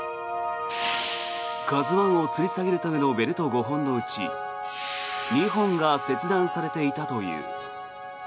「ＫＡＺＵ１」をつり下げるためのベルト５本のうち２本が切断されていたという。